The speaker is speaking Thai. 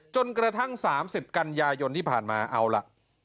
จนกระทั่ง๓๐กันยายนที่ผ่านมาเอาล่ะ